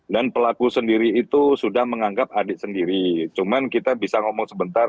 dan pelaku sendiri itu sudah menganggap adik sendiri cuman kita bisa ngomong sebentar